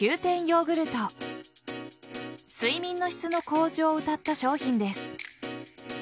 睡眠の質の向上をうたった商品です。